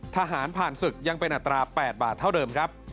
ทหารผ่านศึกยังเป็นอัตรา๘บาทเท่าเดิมครับ